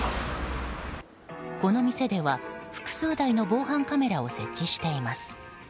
この店では、複数台の防犯カメラを設置しています。